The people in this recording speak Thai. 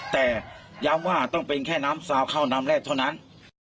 แต่ย้ำว่าต้องเป็นแค่น้ำซาวเข้าน้ำแรกเท่านั้น